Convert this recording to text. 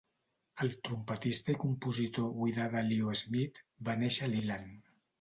El trompetista i compositor Wadada Leo Smith va néixer a Leland.